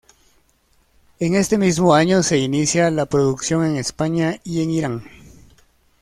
En este mismo año se inicia la producción en España y en Irán.